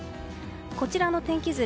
こちらの天気図